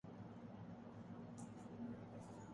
عامر خان نے چین میں اپنی مقبولیت کا راز بتادیا